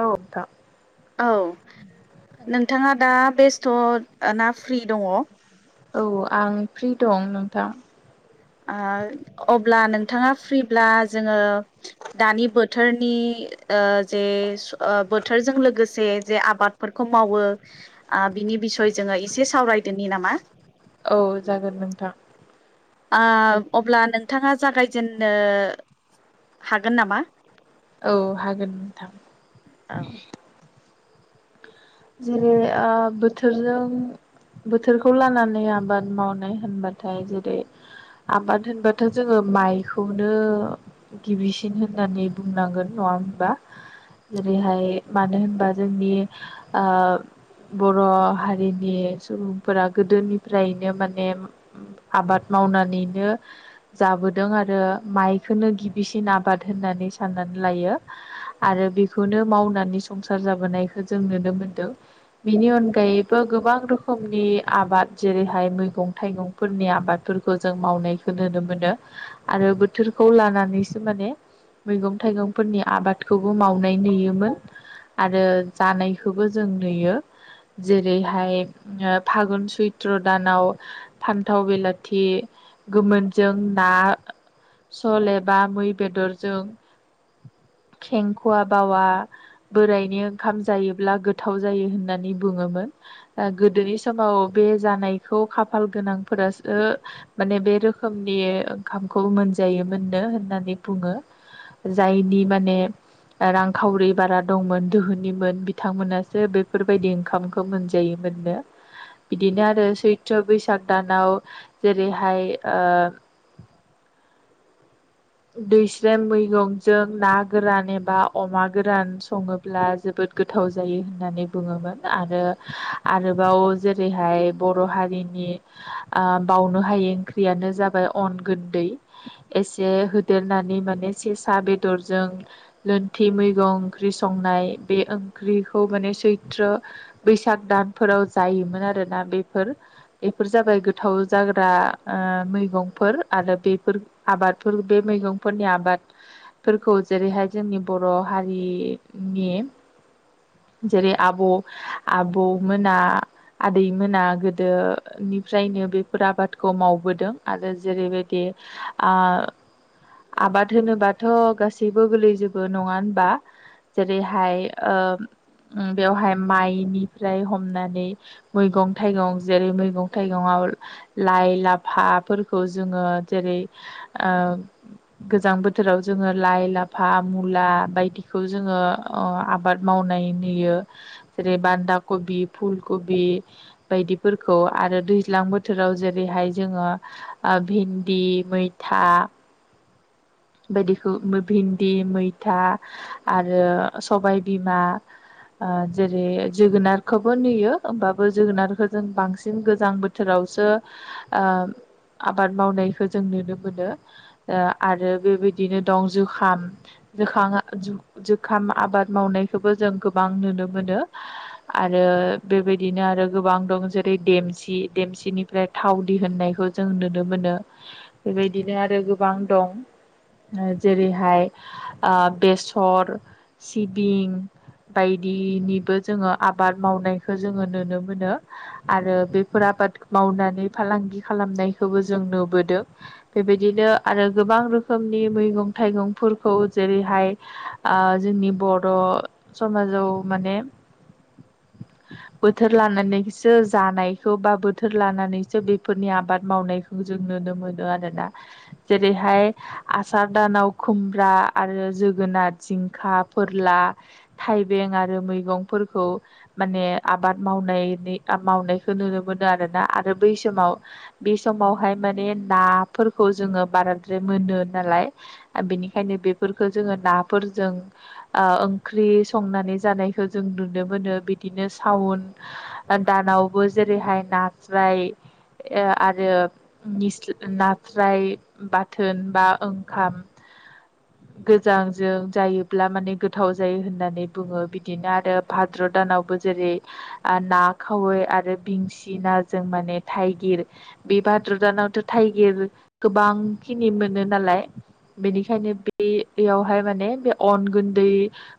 औ नोंथां। औ नोंथाङा दा बेस्थ' ना फ्रि दङ ओ औ आं फ्रि दं नोंथां। ओ अब्ला नोंथाङा फ्रिब्ला जोङो दानि बोथोरनि ओ जे बोथोरजों लोगोसे जे आबादफोरखौ मावो आ बिनि बिसय जोङो एसे सावरायदोनि नामा? औ जागोन नोंथां। आ अब्ला नोंथाङा जागायजेननो हागोन नामा? औ हागोन नोंथां। औ जेरै ओ बोथोरजों बोथोरखौ लानानै आबाद मावनाय होनबाथाय जेरै आबाद होनबाथ' जोङो माइखौनो गिबिसिन होननानै बुंनांगोन नङा होनबा जेरैहाय मानो होनबा जोंनि आ बर' हारिनि सुबुंफोरा गोदोनिफ्रायनो माने आबाद माव मावनानैनो जाबोदों आरो माइखौनो गिबिसिन आबाद होननानै साननानै लायो। आरो बेखौनो मावनानै संसार जाबोनायखौ जोंनो नुनो मोनदों बिनि अनगायैबो गोबां रोखनि आबाद जेरैहाय मैगं थाइगं फोरनि आबादफोरखौ जों मावनायखौ नुनो मोनो आरो बोथोरखौ लानानैसो माने मैगं थाइगंफोरनि आबादखौबो मावनाय नुयोमोन आरो जानाय खौबो जों नुयो। जेरैहाय ओ फागुन सैत्र दानाव फान्थाव बिलाथि गोमोनजों ना सल एबा मै बेदरजों खेंख'वा बावा बोरायनि ओंखाम जायो। गोथाव जायो होननानै बुङोमोन गोदोनि समाव बे जानायखौ खाफाल गोनांफोरसो माने बे रोखोमनि ओंखामखौ मोनजायोमोननो होननानै बुं जायनि माने रांखावरि बारा दंमोन दोहोनिमोन बिथांमोनासो बेफोरबायदि ओंखामखौ मोनजायोमोननो। बिदिनो आरो सैथ्र' बैसाग दानाव जेरैहाय आ [inaudible] दैस्रे मैगंजों ना गोरान एबा अमा गोरान सङोब्ला जोबोद गोथाव जायो होननानै बुङोमोन आरो आरोबाव जेरैहाय बर' हारि नि आ बावनो हायै ओंख्रियानो जाबाय अन गदै एसे होदेरनानै माने सेसा बेदरजों लोनथि मैगं ओंख्रि संनाय बे ओं ओंख्रिखौ माने सैथ्र बैसाग दानफोराव जायोमोन आरोना बेफोर बेफोर जाबाय गोथाव जाग्रा मैगंफोर आरो बेफोर आबादफोर बे मैगंफोरनि आबाद फोरखौ जेरैहाय जोंनि बर' हारिनि जेरै आब' आब' मोना आदै मोना गोदो निफ्रायनो बेफोर आबादखौ मावबोदों आरो जेरैबायदि आबाद होनोबाथ' गासैबो गोरलैजोबो नङा होनबा जेरैहाय ओम बेवहाय माइनिफ्राय हमनानै मैगं थाइगं जेरै मैगं थाइगङाव लाइ लाफाफोरखौ जोङो जेरै [inaudible] गोजां बोथोराव जोङो लाइ लाफा मुला बायदिखौ जोङो आबाद मावनाय बानदा कबि फुलकबि बायदिफोरखौ आरो दै्लां बोथोराव जेरैहाय जोङो भिन्दि मैथा बायदिखौ भिन्दि मैथा आरो सबायबिमा जेरै जोगोनारखौबो नुयो होमबाबो जोगोनारखौ जों बांसिन गोजां बोथोराव आबाद मावनायखौ जों नुनो मोनो आरो बेबायदिनो दं जुखाम ज जुखाम आबाद मावनायखौबो जों गोबां गोबां नुनो मोनो आरो बेबायदिनो आरो गोबां दं जेरै देमसि देमसि बिनिफ्राय थाव दिहुननायखौ जों नुनो मोनो बेबायदिनो आरो गोबां दं जेरैहाय बेसर सिबिं बायदिनिबो जोङो आबाद मावनायखौ जोङो नुनो मोनो आरो बेफोर आबाद मावनानै फालांगि खालामनायखौबो जों नुबोदों बेबायदिनो आरो गोबां रोखोम रोखोमनि मैगं थाइगंफोरखौ जेरैहाय जोंनि बर' समाज जौ माने [inaudible] बोथोर लानानैसो जानायखौ बा बोथोर लानानैसो बेफोरनि आबाद मावनायखौ जों नुनो मोनो आरोना जेरैहाय आसार दानाव खुमब्रा आरो जोगोनार जिंखा फोरला थाइबें आरो मैगंफोरखौ माने आबाद मावनायनि मावनायखौ नुनो मोनदों आरोना आरो बै समाव बे समावहाय माने नाफोरखौ जोङो बाराद्राय मोनो नालाय बेनिखायनो बेफोरखौ जोङो नाफोरजों ओंख्रि संनानै जों नुनो मोन बिदिनो सावोन दानावबो जेरैहाय ना आरो नास्राय बाथोन बा ओंखाम औ गोजांजों जायोब्ला माने गोथाव जायो होननानै बुङो बिदिनो आरो भाद्र दानावबो जेरै ना खावै आरो बिंसि नाजों माने थाइगिर बेबायदिनो भाद्र दानावथ' थटाइगिर गोबां खिनि मोनो नालाय बेनिखायनो बेयावहाय माने बे अन गुन्दै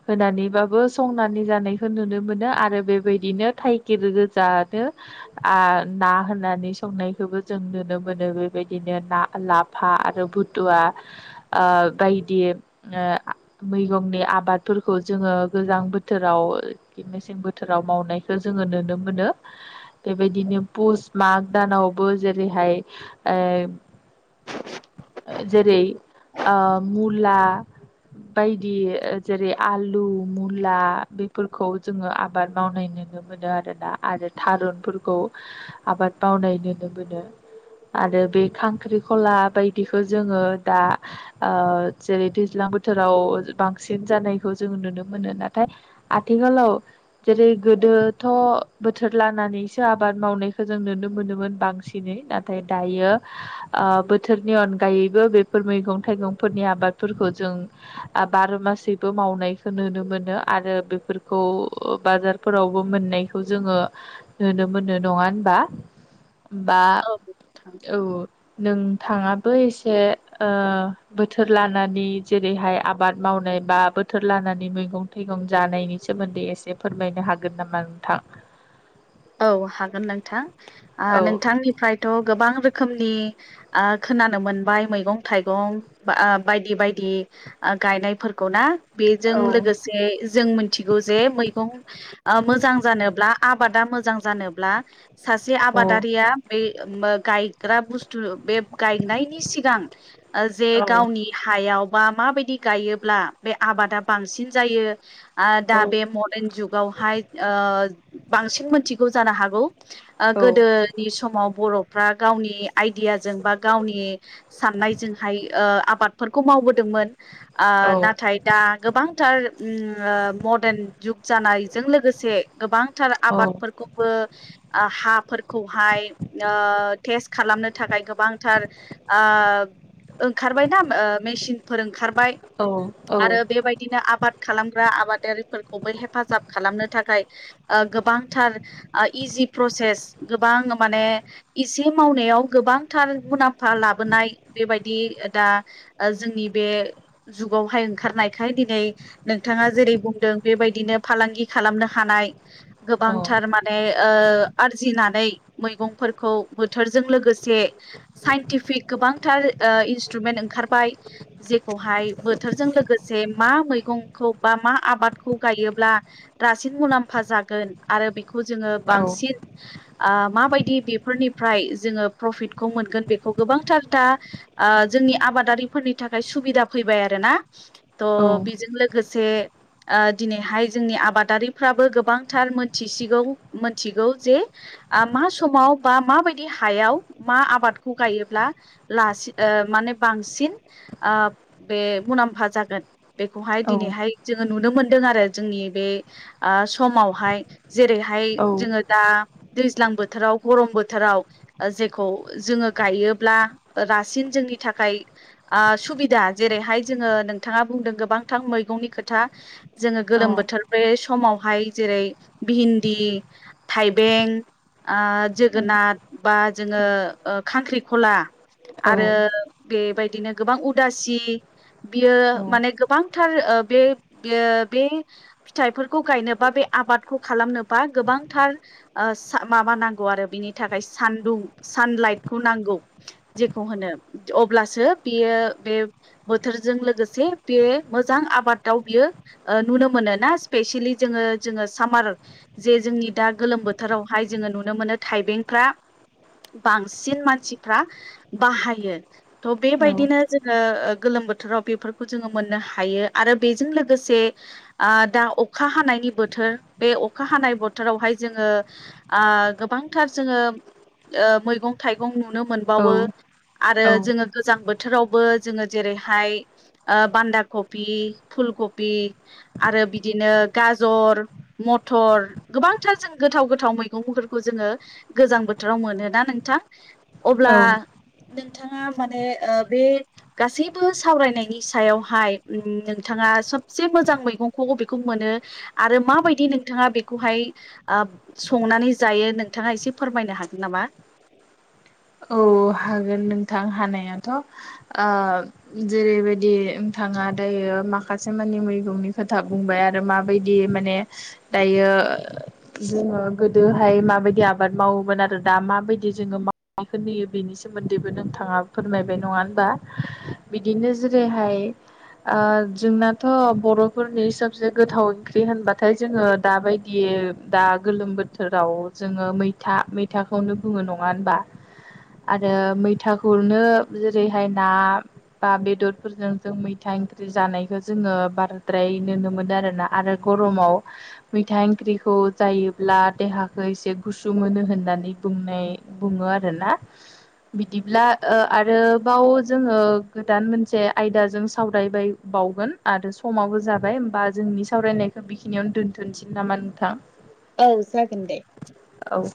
होनानैबाबो संनानै खौ नुनो मोनो आरो बेबायदिनो थाइगिर गोजानो ना होन नानै संनायखौबो जों नुनो मोनो बेबायदिनो ना लाफा आरो बुद फुथुवा बायदि मैगंनि आबादफोरखौ जोङो गोजां बोथोराव मेसें बोथोराव मावनायखौ जोङो नुनो मोनो बेबायदिनो पुस माग दानावबो जेरैहाय जेरै मुला बायदि जेरै आलु मुला बेफोरखौ जोङो आबाद मावनो नुनो मोनो आरोना आरो थारुनफोरखौ आबाद मावनाय नुनो मोनो आरो बे खांख्रिखला बायदिखौ जोङो दा जेरै दैज्लां बोथोराव बांसिन जानायखौ जों नुनो मोनो नाथाय आथिखालाव जेरै गोदोथ' बोथोर लानानै दिनैसो आबाद मावनायखौ जों नुनो मोनोम मोन बांसिनै नाथाय दायो ओ बोथोरनि अनगायैबो बेफोर मैगं थाइगंफोरनि आबादफोरखौ जों बार' गासैबो माव मावनायखौ नुनो मोनो आरो बेफोरखौ बाजारफोरावबो मोननायखौ जोङो नो मोननो नङा होनबा? [inaudible] बा औ औ औ नों थाङाबो एसे ओ बोथोर लानानै जेरैहाय आबाद मावनाय बा बोथोर लानानै मैगं थाइगं जानायनि सोमोन्दै एसे फोरमायनो हागोन नामा नोंथां? औ हागोन नोंथां। औ नोंथांनिफ्रायथ' गोबां रोखोमनि ओ खोनानो मोनबाय मैगं थाइगं बा आ बायदि बायदि आ गाय जायफोरखौ ना बेजों औ लोगोसे जों मिथिगौ जे मैगं ओ मोजां जानोब्ला आबादा मोजां जानोब्ला सासे औ आबादारिया बे मो गायग्रा बुस्थु बे गायनायनि सिगां ओ जे औ गावनि हायाव बा माबायदि गायोब्ला बे आबादा बांसिन जायो आ औ दा बे मदेन जुगावहाय ओ बांसिन मोनथिगौ जानो हागौ। ओ औ गोदोनि समाव बर' फ्रा गावनि आइडियाजों बा गावनि साननायजोंहाय ओ आबादफोरखौ मावबोदोंमोन। ओ नाथाय दा गोबांथार उम मदेरन जुग जानायजों लोगोसे गोबांथार औ आबादफोरखौ बो हाफोरखौहाय टेस्ट खालामनो थाखाय गोबांथार ओ ओंखारबायना ओ मेचिनफोर ओंखारबाय औ आरो बेबायदिनो आबाद खालामग्रा आबादारिफोरखौबो हेफाजाब खालामनो थाखाय ओ गोबांथार ओ इजि प्रसेस गोबां माने एसे मावनायाव गोबांथार मुलाम्फा ला लाबोनाय बेबायदि ओ दा जोंनि बे जुगावहाय ओंखारनायखाय दिनै नोंथाङा जेरै बुंदों बेबायदिनो फालांगि खालामनो हानाय औ गोबांथार माने ओ आरजिनानै मैगंफोरखौ बोथोरजों लोगोसे साइन्टिफिक गोबां बांथार ओ इन्सट्रुमेन्ट ओंखारबाय जेखौहाय बोथोरजों लोगोसे मा मैगं खौ बा मा आबादखौ गायोब्ला दासिन मुलाम्फा जागोन आरो बिखौ जोङो बांसिन ओ माबायदि बेफोरनिफ्राय जोङो प्रफिटखौ मोनगोन बेखौ गोबांथार दा ओ जोंनि आबादारि फोरनि थाखाय सुबिदा फैबाय आरोना त' बेजों लोगोसे ओ दिनैहाय जोंनि आबादारिफ्राबो गोबांथार मोनथिसिगौ। थिगौ जे ओ मा समाव बा माबायदि हायाव मा आबादखौ गाय योब्ला लासि माने बांसिन ओ बे मुलाम्फा जागोन। बेखौहाय औ दिनैहाय जोङो नुनो मोनदों आरो जोंनि बे ओ समावहाय जेरैहाय जोङो दा दैज्लां बोथोराव गरम बोथोराव जेखौ जोङो गायोब्ला रासिन जोंनि थाखाय थाखाय ओ सुबिदा जेरैहाय जोङो नोंथाङा बुंदों गोबांथा मैगंनि खोथा जोङो गोलोम बोथोर बे समावहाय जेरै भिन्दि थाइबें ओ जोगोनार बा जोङो ओ खांख्रिखला आरो बेबाय दिनो गोबां उदासि बियो माने गोबांथार ओ बे बेयो बे फिथाइफोरखौ गायनोबा बे आबाद खालामनोबा गोबांथार सा ओ माबा नांगौ आरो बिनि थाखाय सानदुं सानलाइट खौ नांगौ जेखौ होनो अब्लासो बियो बे बोथोरजों लोगोसे बियो बे मोजां आबादाव बियो ओ नुनो मोन ना स्पेसिलि जोङो जों सामार जे जोंनि दा गोलोम बोथोरावहाय जोङो नुनो मोनो थाइबेंफ्रा बांसिन मानसिफ्रा बाहायो त' बेबायदिनो जोङो गोलोम बोथोराव बेफोरखौ जोङो मोननो हायो आरो बेजों लोगोसे आ दा अखा हानाय नि बोथोर बे अखा हानाय बोथोरावहाय जोङो ओ गोबांथार जोङो ओ मैगं थाइगं नुनो मोनबावो आरो औ जोङो गोजां बोथोर बोथोरावबो जोङो जेरैहाय ओ बान्दा कपि फुलकबि आरो बिदिनो गाजर मटर गोबांथार जों गोथाव गोथाव मैगंफोरखौ जोङो गोजां बोथोराव मोनोना नोंथां अब्ला औ औ नों नोंथाङा माने बे गासैबो सावरायनायनि सायावहाय नोंथाङा सबसे मोजां मैंखौ बेखौ मोनो आरो मा बायदि दि नोंथाङा बेखौहाय संनानै जायो नोंथाङा एसे फोरमायनो हागोन नामा? [inaudible] औ हागोन नोंथां हानायाथ' जेरैबायदि नोंथां आंहा दायो माखासे मानि मैगंनि खोथा बुंबाय आरो माबायदि माने दायो जोङो गोदोहाय माबायदि आबाद मावोमोन आरो दा माबायदि जोङो माव खौ नुयो बिनि सोमोन्दैबो नोंथाङा फोरमायबाय नङा होनबा बिदिनो जेरैहाय जोंनाथ' बर'फोरनि सबसे गोथाव ओंख्रि होनबाथाय जोङो दाबायदि बे दा गोलोम बोथोराव जोङो मैथा मैथाखौनो बुङो नङा होनबा [inaudible] आरो मैथाखौनो जेरैहाय ना बा बेदरफोरजों जों मैथा ओंख्रि जानायखौ जोङो बारद्राय नुनो मोनो आरोना आरो गरमाव मैथा ओंख्रिखौ जायोब्ला देहाखौ एसे गुसु मोनो होननानै बुंनाय बुङो आरोना बिदिब्ला आरोबाव जोङो गोदान मोनसे आयदाजों सावरायबाय बावगोन आरो समाबो जाबाय होमबा जोंनि सावरायनायखौ बेखिनियावनो दोन्थ'सैन नामा नोंथां? औ जागोन दे। औ